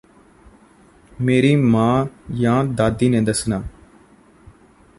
ਮੇਰੀ ਮਾਂ ਜਾਂ ਦਾਦੀ ਨੇ ਦੱਸਣਾ